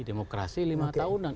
demokrasi lima tahunan